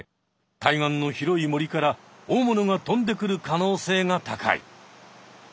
対岸の広い森から大物が飛んでくる可能性が高い。